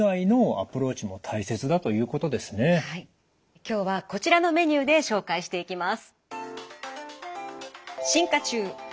今日はこちらのメニューで紹介していきます。